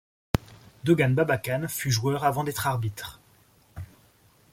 Doğan Babacan fut joueur avant d'être arbitre.